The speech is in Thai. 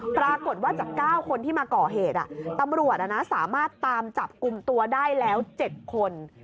ปรากฏว่าจาก๙คนที่มาก่อเหตุตำรวจสามารถตามจับกลุ่มตัวได้แล้ว๗คน